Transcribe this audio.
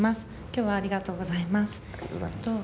今日はありがとうございます。